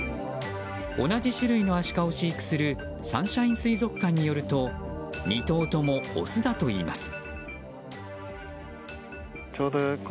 同じ種類のアシカを飼育するサンシャイン水族館によると２頭ともオスだといいます。